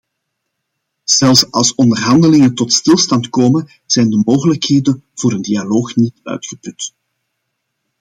Zelfs als onderhandelingen tot stilstand komen zijn de mogelijkheden voor een dialoog niet uitgeput.